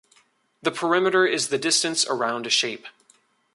The perimeter is the distance around a shape.